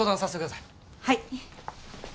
はい。